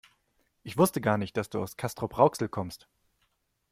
Ich wusste gar nicht, dass du aus Castrop-Rauxel kommst